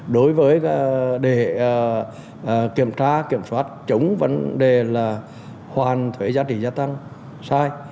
đối với để kiểm tra kiểm soát chống vấn đề là hoàn thuế giá trị gia tăng sai